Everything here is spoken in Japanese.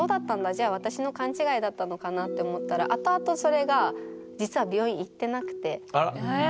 じゃあ私の勘違いだったのかなって思ったら後々それが実はええ。